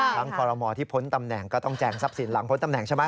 คอรมอที่พ้นตำแหน่งก็ต้องแจงทรัพย์สินหลังพ้นตำแหน่งใช่ไหม